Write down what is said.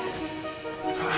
misi suka ga